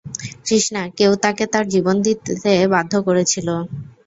কৃষ্ণা, কেউ তাকে তার জীবন নিতে বাধ্য করেছিল।